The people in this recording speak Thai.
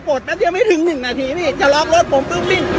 แป๊บเดียวไม่ถึงหนึ่งนาทีพี่จะล็อกรถผมปุ๊บวิ่ง